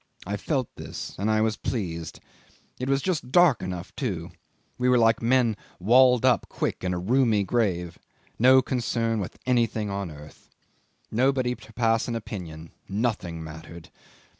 I felt this, and I was pleased. It was just dark enough too. We were like men walled up quick in a roomy grave. No concern with anything on earth. Nobody to pass an opinion. Nothing mattered."